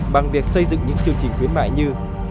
bằng việc xây dựng những chương trình khuyến mại như